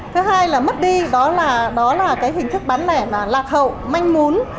thứ hai là mất đi đó là cái hình thức bán lẻ mà lạc hậu manh muốn